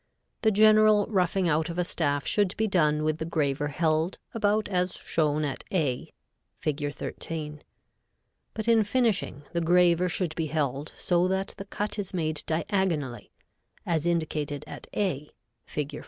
The general roughing out of a staff should be done with the graver held about as shown at A, Fig. 13; but in finishing, the graver should be held so that the cut is made diagonally, as indicated at A, Fig.